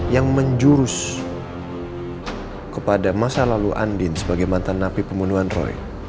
yang menjurus kepada masa lalu andin sebagai mantan napi pembunuhan roy